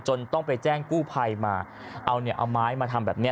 ต้องไปแจ้งกู้ภัยมาเอาเนี่ยเอาไม้มาทำแบบเนี้ย